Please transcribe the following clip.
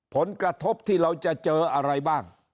ผลกระทบที่เราจะเจออะไรบ้าง